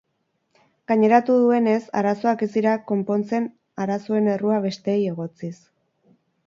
Gaineratu duenez, arazoak ez dira konpontzen arazoen errua besteei egotziz.